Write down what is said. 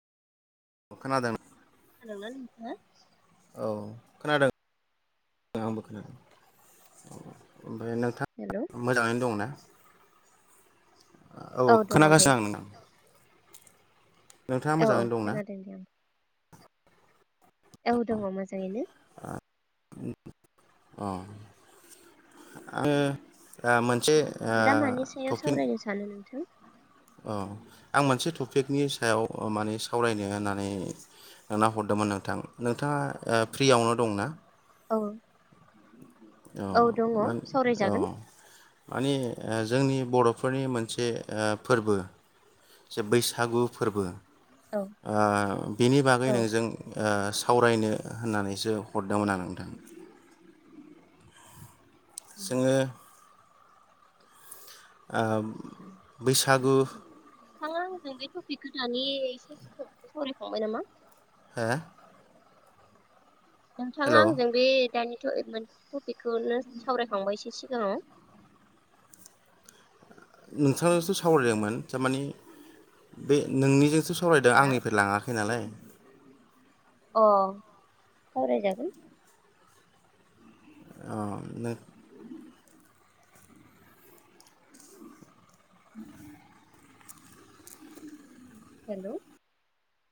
खोनादों [unintelligible] नोंथाङा? औ खोनादों आंबो खोनादों औ ओमफ्राय हेलौ नोंथाङा मोजाङैनो दं ना? औ दङ दे खोनागासिनो आं नोंथां। नोंथाङा औ औ मोजाङैनो दंना खोनादों दे आं औ दङ मोजाङैनो। अ आङो ओ मोन दा मानि सायाव सावरायनो सानो नोंथां? औ आं मोनसे टपिकनि सायाव ओ माने सावरायनो होननानै नोंनाव हरदोंमोन नोंथां नोंथाङा ओ फ्रियावनो दंना? औ औ दङ मान औ सावरायजागोन माने ओ जोंनि बर'फोरनि मोनसे ओ फोरबो जे बैसागु फोरबो औ ओ बिनि बागै औ नोंजों ओ सावरायनो होननानैसो हरदोंमोन आं नोंथां। जोङो ओ बैसागु थाङा आंजों बे टपिकखौ दानि एसे सावरायखांबाय नामा? हा नोंथाङा आंजों बे दानि [unintelligible] बेखौनो सावरायखांबाय एसे एसे [unintelligible] नोंथांजोंथ' सावरायदोंमोन थारमाने बे नोंनिजोंसो सावरायदों हा आंनिफ्राय लाङाखै नालाय अ सावराय जागोन अ नो [inaudible] हेलौ